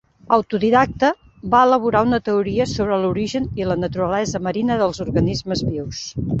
Autodidacta, va elaborar una teoria sobre l'origen i la naturalesa marina dels organismes vius.